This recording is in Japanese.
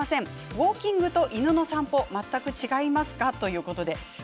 ウォーキングと散歩全く違いますか？ということです。